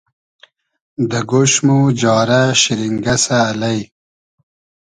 دۂ گۉش مۉ جارۂ شیرینگئسۂ الݷ